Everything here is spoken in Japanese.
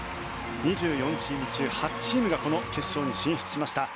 ２４チーム中８チームがこの決勝に進出しました。